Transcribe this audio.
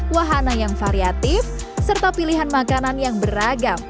wahana yang variatif serta pilihan makanan yang beragam